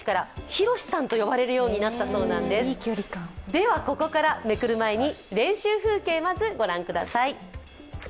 では、ここからめくる前に練習風景をまずご覧ください。